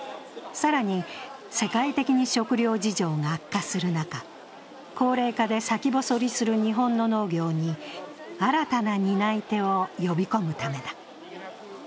更に、世界的に食糧事情が悪化する中、高齢化で先細りする日本の農業に新たな担い手を呼び込むためだ。